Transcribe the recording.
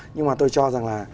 nhưng mà tôi cho rằng là